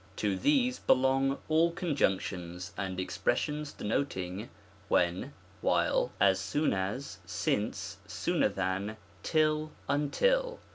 To these belong all conjunctions, and expressions denoting wJien^ wJiiU^ as soofi as, eince^ sooner than^ tiU^ until.